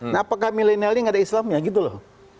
nah apakah milenialnya nggak ada islamnya gitu loh